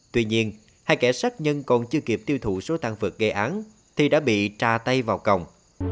tuy nhiên hai kẻ sát nhân còn chưa kịp tiêu thụ số tăng vượt gây án thì đã bị tra tay vào cổng